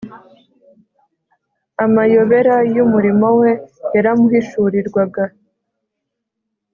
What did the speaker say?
. Amayobera y’umurimo We yaramuhishurirwaga.